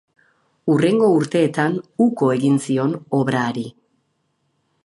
Hurrengo urteetan uko egin zion obra hari.